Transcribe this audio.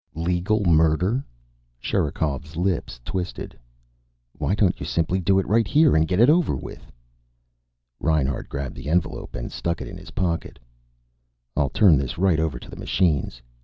"Legal murder?" Sherikov's lips twisted. "Why don't you simply do it right here and get it over with?" Reinhart grabbed the envelope and stuck it in his pocket. "I'll turn this right over to the machines."